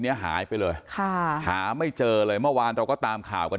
เนี้ยหายไปเลยค่ะหาไม่เจอเลยเมื่อวานเราก็ตามข่าวกัน